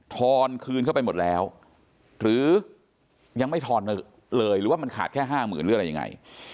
ออนคืนเข้าไปหมดแล้วหรือยังไม่ทอนเลยหรือว่ามันขาดแค่ห้าหมื่นหรืออะไรยังไง